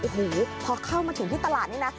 โอ้โหพอเข้ามาถึงที่ตลาดนี่นะ